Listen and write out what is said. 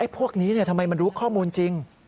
พวกนี้ทำไมมันรู้ข้อมูลจริง